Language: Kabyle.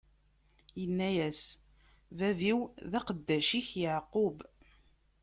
Ini-yas: Bab-iw, d aqeddac-ik Yeɛqub.